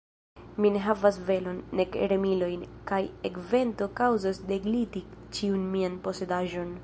Mi ne havas velon, nek remilojn; kaj ekvento kaŭzos degliti ĉiun mian posedaĵon.